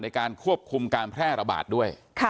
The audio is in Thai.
ในการควบคุมการแพร่ระบาดด้วย